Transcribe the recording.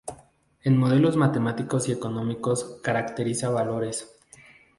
En modelos matemáticos y económicos, caracteriza valores.